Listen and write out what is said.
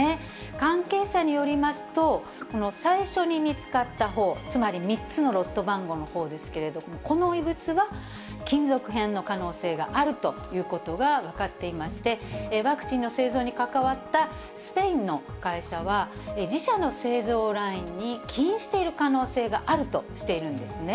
関係者によりますと、この最初に見つかったほう、つまり３つのロット番号のほうですけれども、この異物は金属片の可能性があるということが分かっていまして、ワクチンの製造に関わったスペインの会社は、自社の製造ラインに起因している可能性があるとしているんですね。